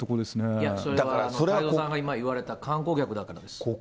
いやそれは太蔵さんが今言われた、観光客だからです。